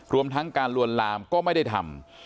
รวมทั้งการลวนลามก็ไม่ได้ทำ